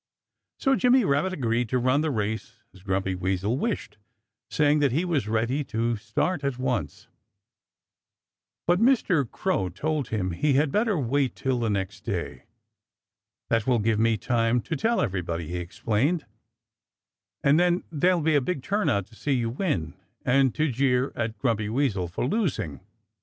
So Jimmy Rabbit agreed to run the race as Grumpy Weasel wished, saying that he was ready to start at once. But Mr. Crow told him he had better wait till the next day. "That will give me time to tell everybody," he explained, "and then there'll be a big turnout to see you win and to jeer at Grumpy Weasel for losing."